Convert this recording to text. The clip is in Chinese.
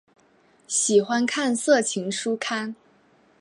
喜欢看色情书刊。